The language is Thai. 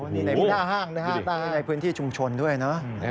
นี่ในพื้นธาห้างในพื้นที่ชุมชนด้วยเนอะ